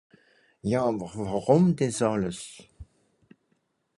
Ja àwer wùrùm dìs àlles ?